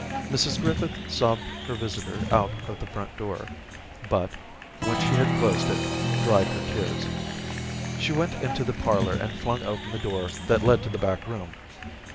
Mrs Griffith sobbed her visitor out of the front door, but, when she had closed it, dried her tears. She went into the parlour and flung open the door that led to the back room.